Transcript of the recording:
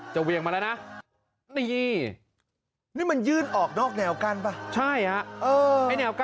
จะเบียงมาแล้วนะ